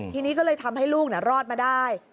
ทีนี้ก็เลยทำให้ลูกรอดมาได้